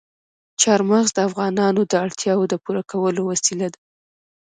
چار مغز د افغانانو د اړتیاوو د پوره کولو وسیله ده.